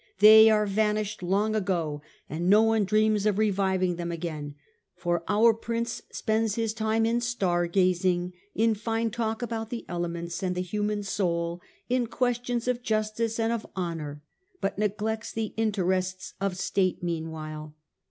They are vanished long ago, and no one dreams of reviving them again ; for our prince spends his time in star gazing, in fine talk about the elements and the human soul, in questions of justice and of honour, but neglects the interests of state meanwhile.